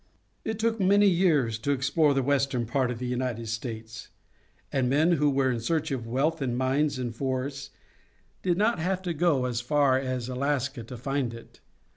It took many years to explore the western part of the United States, and men who were in search of wealth in mines and forests did not have to go as far as Alaska to find it.